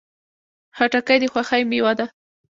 خټکی د خوښۍ میوه ده.